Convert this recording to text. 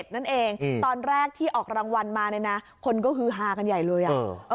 นั่นเองตอนแรกที่ออกรางวัลมาเนี่ยนะคนก็ฮือฮากันใหญ่เลยอ่ะ